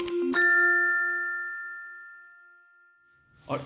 あれ？